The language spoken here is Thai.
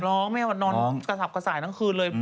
แม่นอนกระสับกระส่ายทั้งคืนเลย